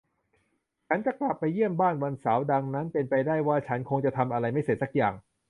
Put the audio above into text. ฉันจะกลับไปเยี่ยมบ้านวันเสาร์ ดังนั้นเป็นไปได้ว่า ฉันคงจะทำอะไรไม่เสร็จสักอย่าง